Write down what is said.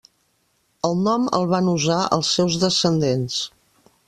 El nom el van usar els seus descendents.